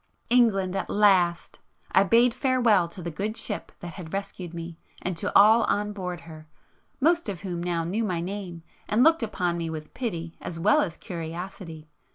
England at last! I bade farewell to the good ship that had rescued me, and to all on board her, most of whom now knew my name and looked upon me with pity as well as curiosity.